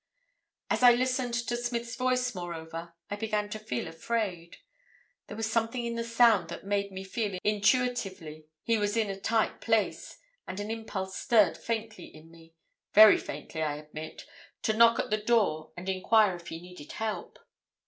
"As I listened to Smith's voice, moreover, I began to feel afraid. There was something in the sound that made me feel intuitively he was in a tight place, and an impulse stirred faintly in me—very faintly, I admit—to knock at the door and inquire if he needed help.